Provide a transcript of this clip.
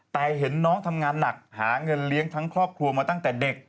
แต่เห็นน้องทำงานหนักหาเงินเลี้ยงทั้งครอบครัวมาตั้งแต่เด็ก